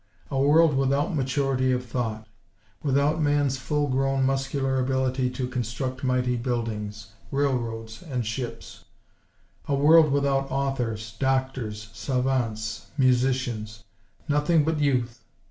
A world without maturity of thought; without man's full grown muscular ability to construct mighty buildings, railroads and ships; a world without authors, doctors, savants, musicians; nothing but Youth!